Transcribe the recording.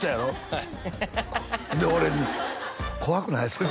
はいで俺に「怖くないですか？」